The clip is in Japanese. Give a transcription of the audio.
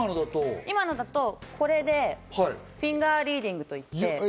今のだとこれでフィンガーリーディングと言って。